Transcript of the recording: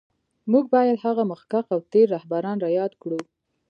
موږ باید هغه مخکښ او تېر رهبران را یاد کړو